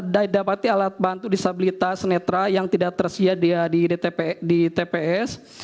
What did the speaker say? dapati alat bantu disabilitas netra yang tidak tersedia di tps